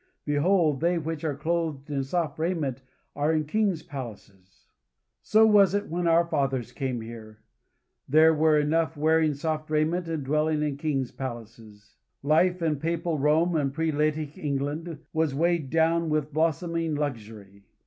Behold they which are clothed in soft raiment are in kings' palaces." So was it when our fathers came here. There were enough wearing soft raiment and dwelling in kings' palaces. Life in papal Rome and prelatic England was weighed down with blossoming luxury.